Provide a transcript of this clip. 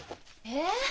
えっ？